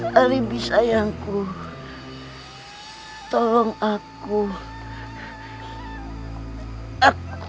berdikah bangun berdikah